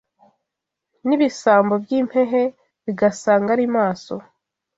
N’ibisambo by’impehe Bigasanga ari maso